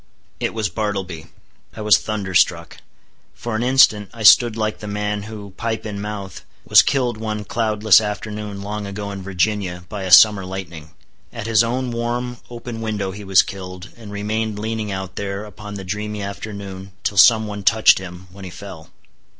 It was Bartleby. I was thunderstruck. For an instant I stood like the man who, pipe in mouth, was killed one cloudless afternoon long ago in Virginia, by a summer lightning; at his own warm open window he was killed, and remained leaning out there upon the dreamy afternoon, till some one touched him, when he fell.